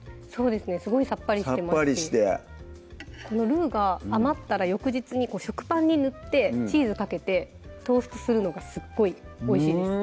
すごいさっぱりしてますルウが余ったら翌日に食パンに塗ってチーズかけてトーストするのがすごいおいしいです